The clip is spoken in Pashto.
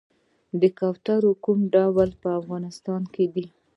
د کوترو کوم ډولونه په افغانستان کې دي؟